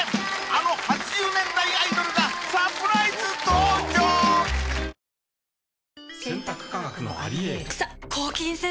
あの８０年代アイドルがサプライズ登場ねえ